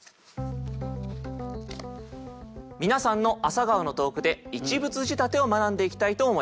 皆さんの「朝顔」の投句で一物仕立てを学んでいきたいと思います。